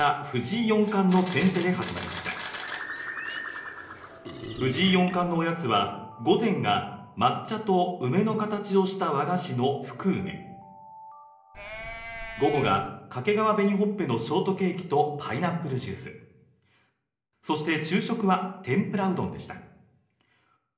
藤井四冠のおやつは午前が抹茶と梅の形をした和菓子のふくうめ、午後が掛川紅ほっぺのショートケーキとパイナップルジュース、そして昼食は天ぷらうどんでした。